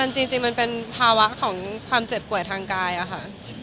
จริงมันเป็นภาวะของความเจ็บป่วยทางกายอะค่ะ